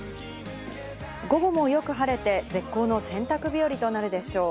午後もよく晴れて絶好の洗濯日和となるでしょう。